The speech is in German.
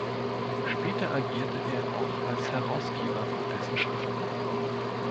Später agierte er auch als Herausgeber von dessen Schriften.